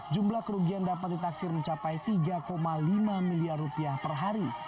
jumlah kerugian dapat ditaksir mencapai tiga lima miliar rupiah per hari